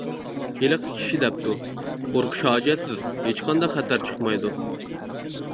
ھېلىقى كىشى دەپتۇ: قورقۇش ھاجەتسىز، ھېچقانداق خەتەر چىقمايدۇ.